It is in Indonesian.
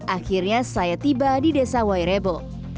akhirnya saya tiba di desa wairebo